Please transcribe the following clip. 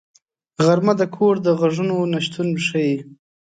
غرمه د کور د غږونو نه شتون ښيي